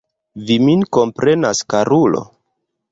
Vi min komprenas, karulo?